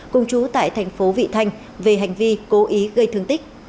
cùng chú tại tp vị thanh về hành vi cố ý gây thương tích